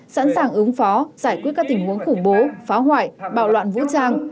sẵn sàng ứng phó giải quyết các tình huống khủng bố phá hoại bạo loạn vũ trang